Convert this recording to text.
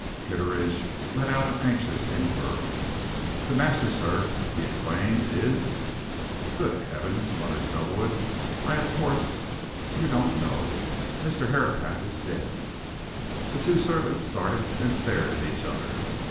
Kitteridge let out an anxious inquiry. "The master, sir?" he exclaimed. "Is " "Good heavens!" muttered Selwood. "I of course, you don't know. Mr. Herapath is dead." The two servants started and stared at each other.